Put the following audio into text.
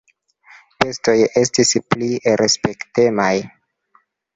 "Bestoj estis pli respektemaj."